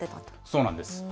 そうなんです。